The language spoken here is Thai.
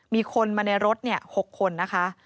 มีคนมาในรถ๖คนนะคะ